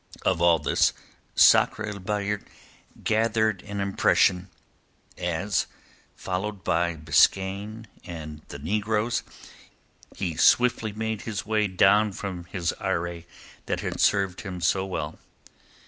Of all this Sakr el Bahr gathered an impression as, followed by Biskaine and the negroes, he swiftly made his way down from that eyrie that had served him so well.